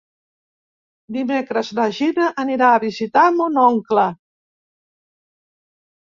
Dimecres na Gina anirà a visitar mon oncle.